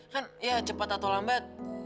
kan ya cepat atau lambat